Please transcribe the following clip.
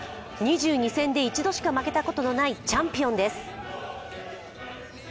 ２２戦で１度しか負けたことのないチャンピオンです。